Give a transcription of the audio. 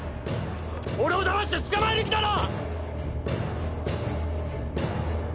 俺をだまして捕まえる気だろ！